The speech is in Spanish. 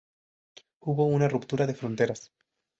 Hubo una ruptura de fronteras.